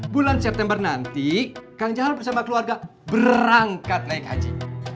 bulan september nanti kang jahar bersama keluarga berangkat naik haji